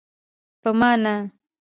په ما نه.